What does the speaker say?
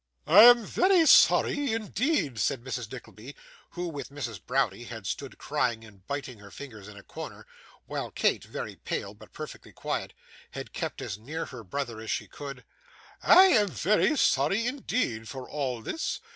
'I am very sorry, indeed,' said Mrs. Nickleby, who, with Mrs. Browdie, had stood crying and biting her fingers in a corner, while Kate (very pale, but perfectly quiet) had kept as near her brother as she could. 'I am very sorry, indeed, for all this.